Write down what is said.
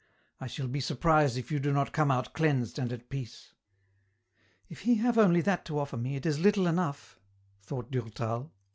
I shall be surprised if you do not come out cleansed and at peace." " If he have only that to offer me, it is little enough," thought Durtal.